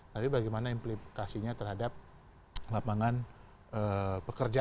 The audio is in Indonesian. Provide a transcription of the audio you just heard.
tapi bagaimana implikasinya terhadap lapangan pekerjaan